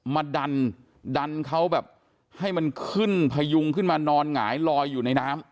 มาดันดันเขาแบบให้มันขึ้นพยุงขึ้นมานอนหงายลอยอยู่ในน้ำ